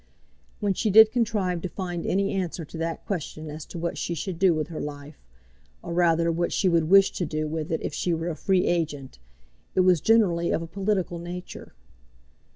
When she did contrive to find any answer to that question as to what she should do with her life, or rather what she would wish to do with it if she were a free agent, it was generally of a political nature.